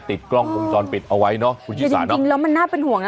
ติดกล้องวงจรปิดเอาไว้เนอะคุณชิสานะจริงแล้วมันน่าเป็นห่วงนะ